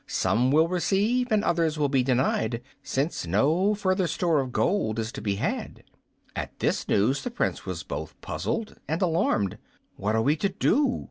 Some will receive and others be denied, since no further store of gold is to be had." At this news the Prince was both puzzled and alarmed. "What are we to do?"